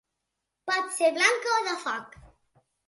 Pot ser blanca o de foc.